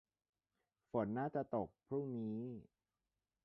ฝนน่าจะตกพรุ่งนี้